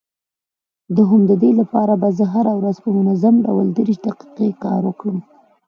د همدې لپاره به زه هره ورځ په منظم ډول دېرش دقيقې کار وکړم.